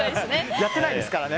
やってないですからね。